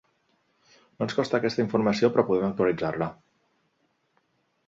No ens consta aquesta informació, però podem actualitzar-la.